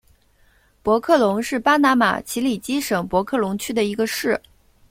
博克龙是巴拿马奇里基省博克龙区的一个市。